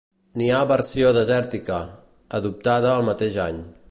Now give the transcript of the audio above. N'hi ha versió desèrtica, adoptada el mateix any.